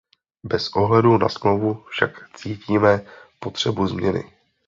Bez ohledu na Smlouvu však cítíme potřebu změny.